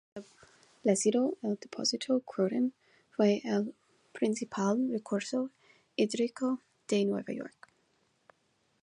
Una vez establecido, el depósito Croton fue el principal recurso hídrico de Nueva York.